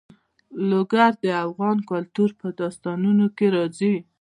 لوگر د افغان کلتور په داستانونو کې راځي.